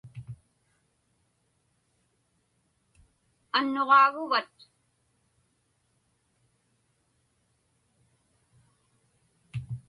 Annuġaaguvat?